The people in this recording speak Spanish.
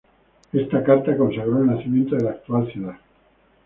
Esta carta consagró el nacimiento de la actual ciudad.